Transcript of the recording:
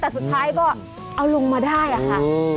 แต่สุดท้ายก็เอาลงมาได้อะค่ะ